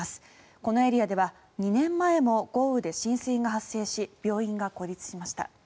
このエリアでは２年前も豪雨で浸水被害が発生し病院が孤立しました。